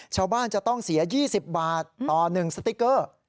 ชาวบ้านจะต้องเสีย๒๐บาทต่อ๑สติ๊กเกอร์